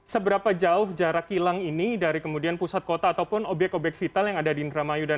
seberapa jauh jarak kilang ini dari kemudian pusat kota ataupun obyek obyek vital yang ada di indramayu